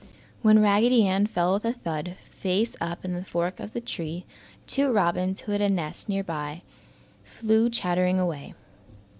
When Raggedy Ann fell with a thud, face up in the fork of the tree, two robins who had a nest near by flew chattering away.